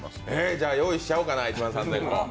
じゃあ用意しちゃおうかな１万３０００個。